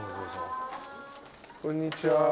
こんにちは。